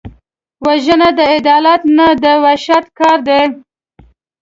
وژنه د عدالت نه، د وحشت کار دی